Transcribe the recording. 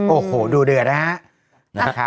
โอ้โหดูเดือดนะฮะ